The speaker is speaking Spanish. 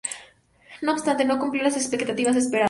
No obstante, no cumplió las expectativas esperadas.